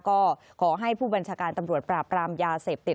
ก็ขอให้ผู้บัญชาการตำรวจปราบปรามยาเสพติด